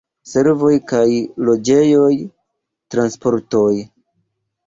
Servoj kaj loĝejoj, transportoj.